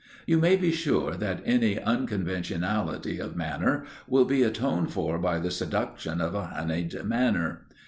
You may be sure that any unconventionality of manner will be atoned for by the seduction of a honeyed manner.